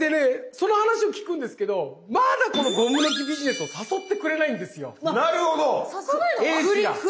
その話を聞くんですけどまだこのゴムの木ビジネスを誘ってくれないんですよ。